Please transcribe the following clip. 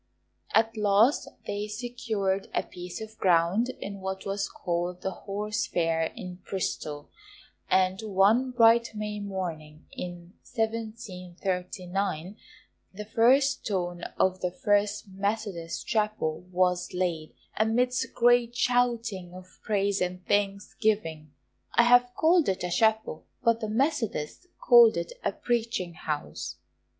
At last they secured a piece of ground in what was called the Horse Fair in Bristol, and one bright May morning, in 1739, the first stone of the FIRST METHODIST CHAPEL was laid, amidst great shouting of praise and thanksgiving. I have called it a Chapel, but the Methodists called it a "Preaching House."